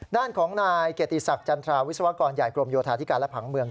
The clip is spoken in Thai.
ด้านของนายเกียรติศักดิ์จันทราวิศวกรใหญ่กรมโยธาธิการและผังเมือง